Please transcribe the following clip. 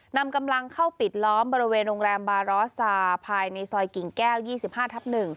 นำกำลังเข้าปิดล้อมบริเวณโรงแรมบารสซาภายในซอยกิ่งแก้ว๒๕ทับ๑